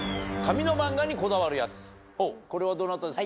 これはどなたですか？